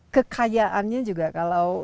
kekayaannya juga kalau